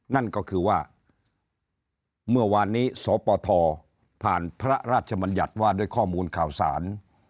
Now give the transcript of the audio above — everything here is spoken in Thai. นั่นก็คือว่าเมื่อวานนี้สปทผ่านพระราชมัญญัติว่าด้วยข้อมูลข่าวสาร